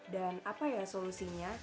dan apa ya solusinya